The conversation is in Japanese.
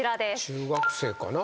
中学生かな。